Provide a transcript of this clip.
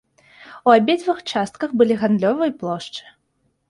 У абедзвюх частках былі гандлёвыя плошчы.